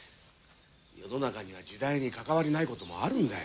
世の中には時代に関わりないこともあるんだよ。